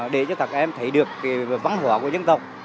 để cho các em thấy được văn hóa của dân tộc